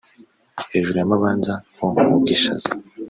hejuru ya Mabanza ho mu Bwishaza